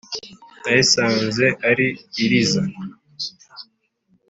Nayisanze ari iriza